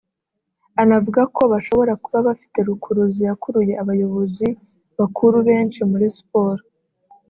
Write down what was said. anavuga ko bashobora kuba bafite rukuruzi yakuruye abayobozi bakuru benshi muri siporo